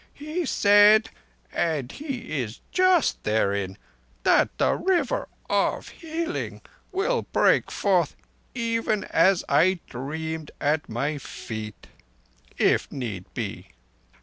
He said—and he is just herein—that the River of Healing will break forth even as I dreamed—at my feet, if need be.